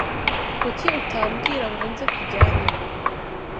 Kuki utambwira ngo nze tujyane